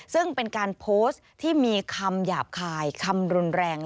ซึ่งเป็นการโพสต์ที่มีคำหยาบคายคำรุนแรง